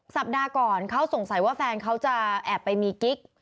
สัปดาห์ก่อนเขาสงสัยว่าแฟนเขาจะแอบไปมีกิ๊ก